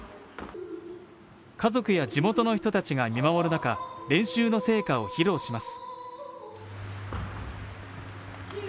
家族や地元の人たちが見守る中、練習の成果を披露します。